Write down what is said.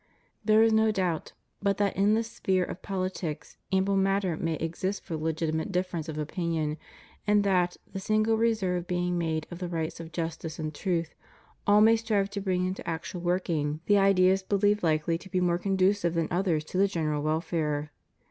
There is no doubt but that in the sphere of politics ample matter may exist for legitimate difference of opinion, and that, the single reserve being made of the rights of justice and truth, all may strive to bring into actual working the ideas beheved hkely to be more con ducive than others to the general welfare.